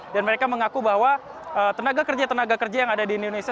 dan mereka mengaku bahwa tenaga kerja tenaga kerja yang ada di indonesia